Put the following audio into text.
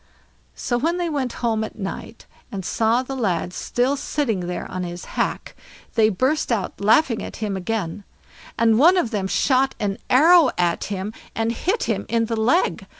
So when they went home at night, and saw the lad still sitting there on his hack, they burst out laughing at him again, and one of them shot an arrow at him and hit him in the leg.